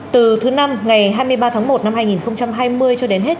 từ thứ năm ngày hai mươi ba tháng một năm hai nghìn hai mươi cho đến hết